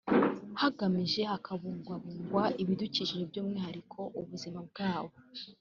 hagamijwe kabungwabungwa ibidukikije by’umwihariko ubuzima bwabo